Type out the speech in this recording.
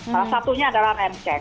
salah satunya adalah rem cek